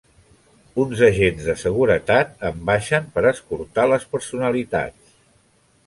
Uns agents de seguretat en baixen per escortar les personalitats.